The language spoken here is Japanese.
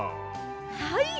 はい！